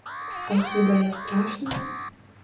А хіба я страшная?